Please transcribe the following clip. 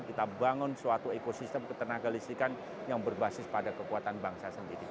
kita bangun suatu ekosistem ketenaga listrikan yang berbasis pada kekuatan bangsa sendiri